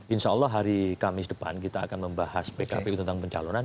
insya allah hari kamis depan kita akan membahas pkpu tentang pencalonan